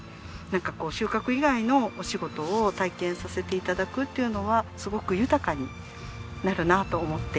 なんかこう収穫以外のお仕事を体験させて頂くというのはすごく豊かになるなと思って。